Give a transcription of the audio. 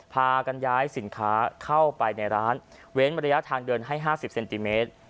พากันย้ายสินค้าเข้าไปในร้านเว้นระยะทางเดินให้๕๐เซนติเมตร